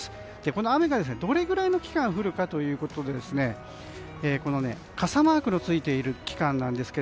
この雨がどれぐらいの期間降るかというと傘マークがついている期間なんですが。